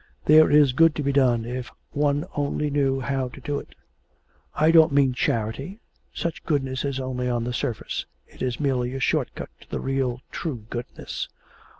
There is good to be done if one only knew how to do it. I don't mean charity, such goodness is only on the surface, it is merely a short cut to the real true goodness.